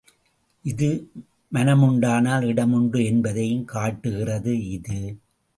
இது மனமுண்டானால் இடமுண்டு என்பதையும் காட்டுகிறது இது.